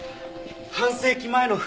半世紀前の服。